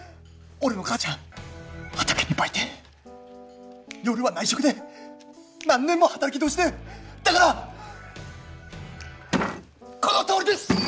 俺の母ちゃん畑に売店夜は内職で何年も働き通しでだからこのとおりです！